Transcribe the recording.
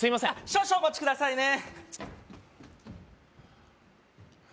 少々お待ちくださいね